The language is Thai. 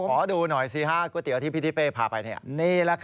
ขอดูหน่อยสิครับก๋วยเตี๋ยวที่พี่ที่เป้พาไปเนี่ย